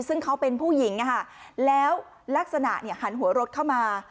ซึ่งเขาเป็นผู้หญิงแล้วลักษณะหันหัวรถเข้ามา